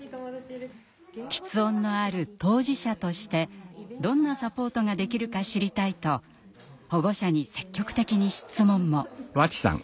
吃音のある当事者としてどんなサポートができるか知りたいと保護者に積極的に質問も。